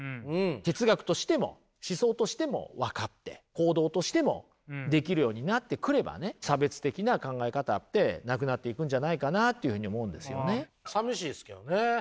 哲学としても思想としても分かって行動としてもできるようになってくれば差別的な考え方ってなくなっていくんじゃないかなというふうに思うんですよね。